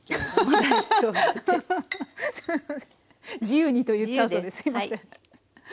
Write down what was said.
「自由に」と言ったあとですみません。